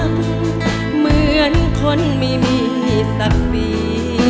เหมือนคนไม่มีที่สักปี